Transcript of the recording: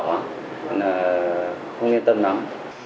vậy là không yên tâm lắm